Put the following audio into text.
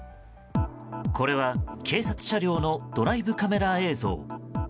これは警察車両のドライブカメラ映像。